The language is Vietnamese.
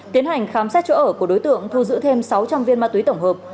tiến hành khám xét chỗ ở của đối tượng thu giữ thêm sáu trăm linh viên ma túy tổng hợp